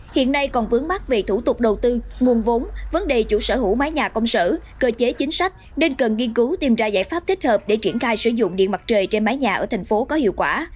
hiện nay còn vướng mắt về thủ tục đầu tư nguồn vốn vấn đề chủ sở hữu mái nhà công sở cơ chế chính sách nên cần nghiên cứu tìm ra giải pháp thích hợp để triển khai sử dụng điện mặt trời trên mái nhà ở thành phố có hiệu quả